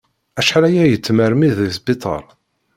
Acḥal aya i yettmermid di sbiṭar.